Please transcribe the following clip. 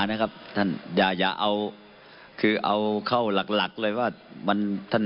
นะครับท่านอย่าอย่าเอาคือเอาเข้าหลักหลักเลยว่ามันท่าน